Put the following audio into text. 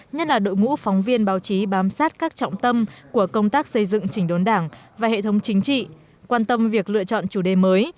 nhất là đội ngũ phóng viên báo chí bám sát các trọng tâm của công tác xây dựng chỉnh đốn đảng và hệ thống chính trị quan tâm việc lựa chọn chủ đề mới